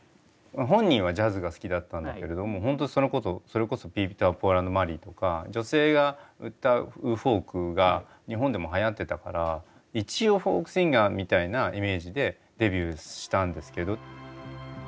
本人はジャズが好きだったんだけれどもホントそれこそピーター、ポール＆マリーとか女性が歌うフォークが日本でもはやってたから一応フォークシンガーみたいなイメージでデビューしたんですけど。